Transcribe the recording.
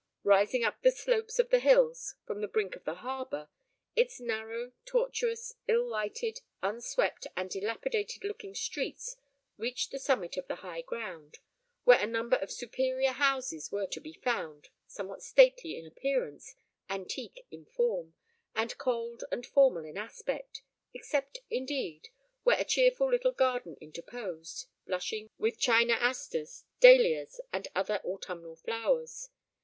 Rising up the slopes of the hills, from the brink of the harbour, its narrow, tortuous, ill lighted, unswept, and dilapidated looking streets reached the summit of the high ground, where a number of superior houses were to be found, somewhat stately in appearance, antique in form, and cold and formal in aspect, except, indeed, where a cheerful little garden interposed, blushing with china astres, dahlias, and other autumnal flowers.